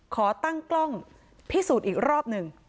ขอตั้งกล้องพิสูจน์อีกรอบหนึ่ง